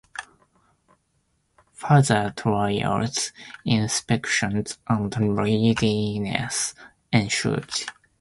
Further trials, inspections, and readiness ensued.